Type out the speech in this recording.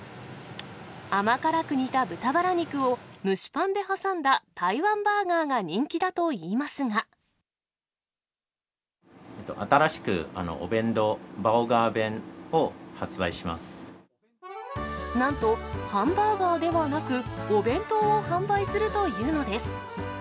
甘辛く煮た豚バラ肉を蒸しパンで挟んだ台湾バーガーが人気だとい新しくお弁当、なんと、ハンバーガーではなく、お弁当を販売するというのです。